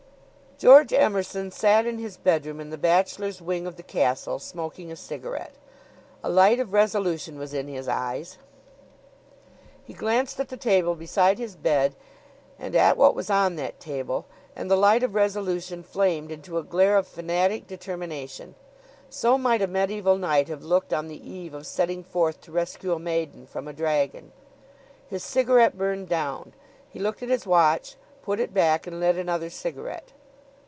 George Emerson sat in his bedroom in the bachelors' wing of the castle smoking a cigarette. A light of resolution was in his eyes. He glanced at the table beside his bed and at what was on that table, and the light of resolution flamed into a glare of fanatic determination. So might a medieval knight have looked on the eve of setting forth to rescue a maiden from a dragon. His cigarette burned down. He looked at his watch, put it back, and lit another cigarette.